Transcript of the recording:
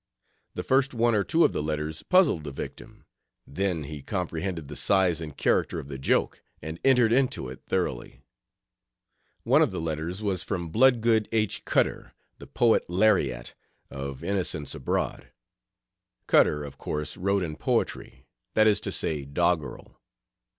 The first one or two of the letters puzzled the victim; then he comprehended the size and character of the joke and entered into it thoroughly. One of the letters was from Bloodgood H. Cutter, the "Poet Lariat" of Innocents Abroad. Cutter, of course, wrote in "poetry," that is to say, doggerel.